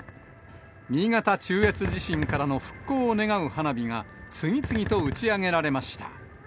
新潟中越地震からの復興を願う花火が、次々と打ち上げられました。